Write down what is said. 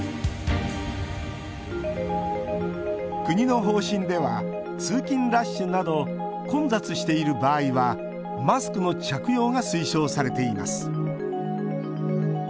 国の方針では通勤ラッシュなど混雑している場合はマスクの着用が推奨されています。